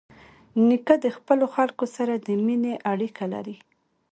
نیکه د خپلو خلکو سره د مینې اړیکه لري.